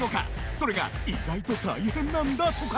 それが意外と大変なんだとか